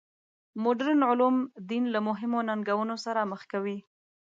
مډرن علوم دین له مهمو ننګونو سره مخ کوي.